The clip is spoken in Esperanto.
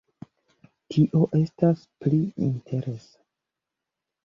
Tio estas pli interesa.